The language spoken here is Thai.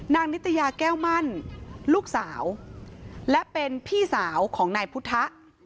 นิตยาแก้วมั่นลูกสาวและเป็นพี่สาวของนายพุทธะ